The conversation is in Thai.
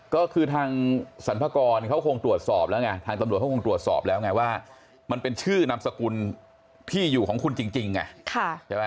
ก็คือทางสรรพากรเขาคงตรวจสอบแล้วไงทางตำรวจเขาคงตรวจสอบแล้วไงว่ามันเป็นชื่อนามสกุลที่อยู่ของคุณจริงไงใช่ไหม